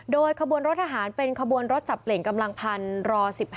โดยขบวนรถทหารเป็นขบวนรถสับเปลี่ยนกำลังพันร๑๕